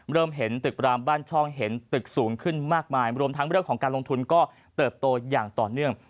เริ่มเห็นตึกรามบ้านช่องเห็นตึกสูงขึ้นมากมายรวมทั้งเรื่องของการลงทุนก็เติบโตอย่างต่อเนื่อง